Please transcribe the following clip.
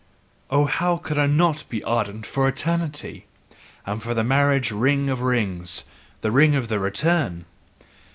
Oh, how could I not be ardent for Eternity, and for the marriage ring of rings the ring of the return?